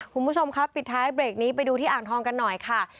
คุณผู้ชมครับปิดท้ายเบรกนี้ไปดูที่อ่างทองกันหน่อยค่ะ